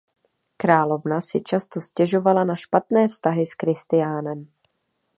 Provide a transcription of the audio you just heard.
Královna si často stěžovala na špatné vztahy s Kristiánem.